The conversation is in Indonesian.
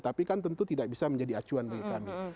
tapi kan tentu tidak bisa menjadi acuan bagi kami